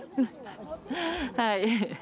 はい。